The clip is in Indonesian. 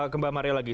ke mbak maria lagi